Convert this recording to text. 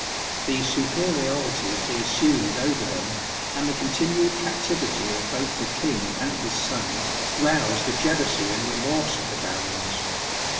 The superiority he assumed over them, and the continued captivity of both the King and his son, roused the jealousy and remorse of the Barons.